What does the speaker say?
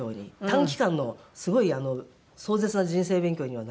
短期間のすごい壮絶な人生勉強にはなりました。